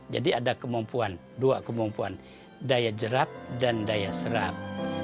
jadi ada kemampuan dua kemampuan daya jerap dan daya serap